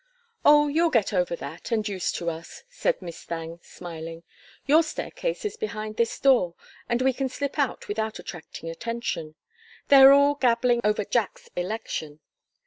"Oh, you'll get over that, and used to us," said Miss Thangue, smiling. "Your staircase is behind this door, and we can slip out without attracting attention. They are all gabbling over Jack's election."